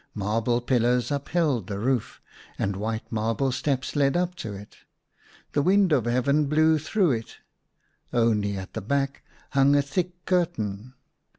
Marble pillars upheld the roof, and white marble steps led up to it. The wind of heaven blew through it. Only at the back hung a thick curtain.